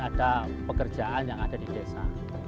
ada pekerjaan yang ada di desa